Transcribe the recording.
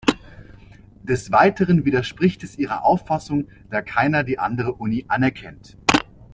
Des Weiteren widerspricht es ihrer Auffassung, da keiner die andere Uni anerkennt.